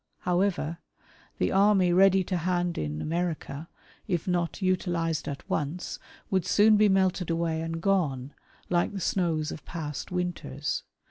However, " the army ready to hand in America, if not utilized at once, " would soon be melted away and gone, like the snows of past "winters.